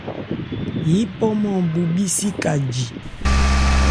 Yípɔ-nman bhu bhísi ka ji.